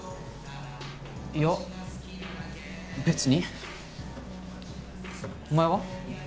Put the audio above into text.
いや別にお前は？